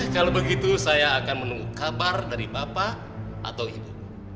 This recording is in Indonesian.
kalau begitu saya akan menunggu kabar dari bapak atau ibu